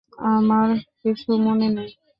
আমার কিছু মনে নেই।